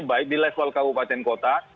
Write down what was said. baik di level kabupaten kota